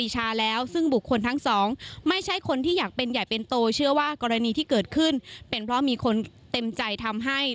เชื่อว่ากรณีที่เกิดขึ้นเป็นเพราะมีคนเต็มใจทำให้